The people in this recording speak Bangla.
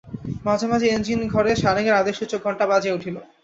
মাঝে মাঝে এঞ্জিন-ঘরে সারেঙের আদেশসূচক ঘণ্টা বাজিয়া উঠিল।